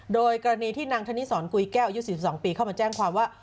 โดยกรณีที่นางธนิสรกุยแก้วอายุ๔๒ปีเข้ามาแจ้งความว่า